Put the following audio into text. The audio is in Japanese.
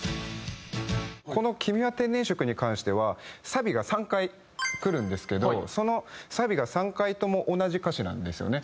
この『君は天然色』に関してはサビが３回くるんですけどそのサビが３回とも同じ歌詞なんですよね。